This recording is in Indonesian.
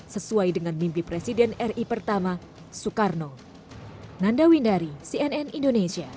sesuai dengan mimpi presiden ri pertama soekarno